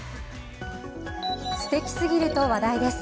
すてきすぎると話題です。